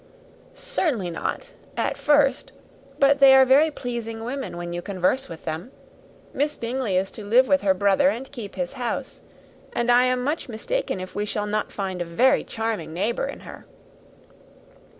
"Certainly not, at first; but they are very pleasing women when you converse with them. Miss Bingley is to live with her brother, and keep his house; and I am much mistaken if we shall not find a very charming neighbour in her."